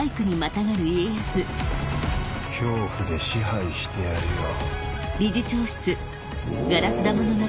恐怖で支配してやるわ。